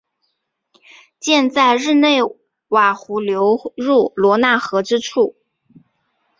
建在日内瓦湖流入罗讷河之处。